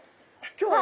今日は。